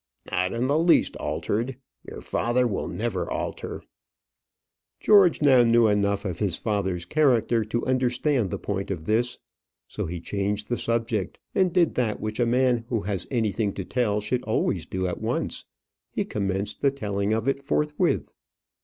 "Not in the least altered. Your father will never alter." George now knew enough of his father's character to understand the point of this; so he changed the subject, and did that which a man who has anything to tell should always do at once; he commenced the telling of it forthwith.